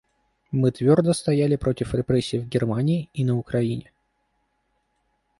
Мы твердо стояли против репрессий в Германии и на Украине.